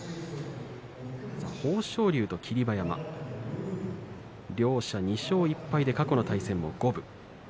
豊昇龍と霧馬山両者２勝１敗で過去の対戦も五分。